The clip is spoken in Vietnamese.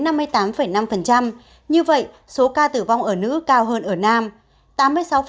như vậy số ca tử vong ở nữ cao hơn ở nam